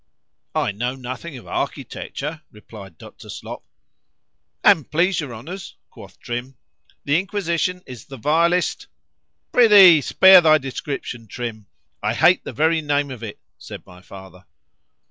—I know nothing of architecture, replied Dr. Slop.—An' please your Honours, quoth Trim, the Inquisition is the vilest——Prithee spare thy description, Trim, I hate the very name of it, said my father.